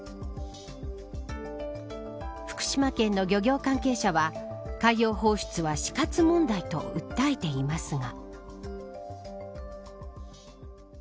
福島県の漁業関係者は海洋放出は死活問題と訴えていますが。